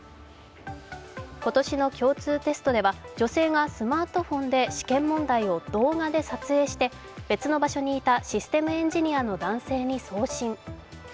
今年の共通テストでは女性がスマートフォンで試験問題を動画で撮影して別の場所にいたシステムエンジニアの男性に送信。